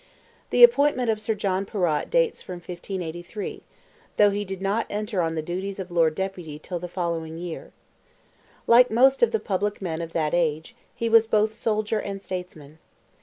The appointment of Sir John Perrott dates from 1583, though he did not enter on the duties of Lord Deputy till the following year. Like most of the public men of that age, he was both soldier and statesman.